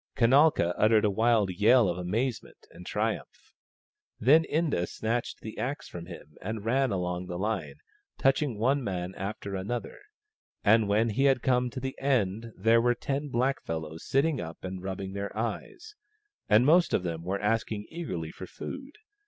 Kanalka uttered a wild yell of amazement and triumph. Then Inda snatched the axe from him and ran along the line, touching one man after another ; and when he had come to the end there were ten blackfellows sitting up and rubbing their eyes, and most of them were asking eagerly for food.